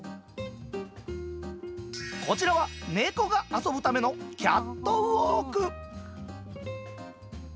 こちらは猫が遊ぶためのキャットウォーク。